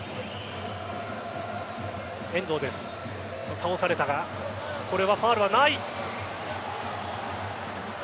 倒されたがこれはファウルはない。